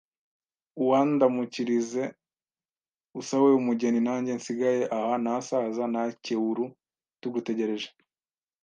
uandamukirize usae umugeni nange nsigaye aha n’asaza n’akeuru tugutegereje